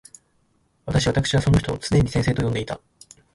私わたくしはその人を常に先生と呼んでいた。